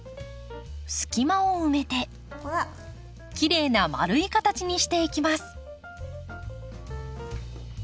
隙間を埋めてきれいな丸い形にしていきます。